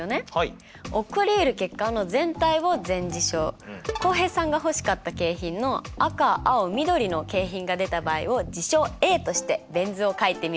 起こりうる結果の全体を全事象浩平さんが欲しかった景品の赤青緑の景品が出た場合を事象Ａとしてベン図を書いてみましょう。